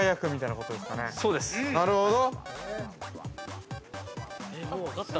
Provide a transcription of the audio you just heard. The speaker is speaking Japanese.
◆なるほど。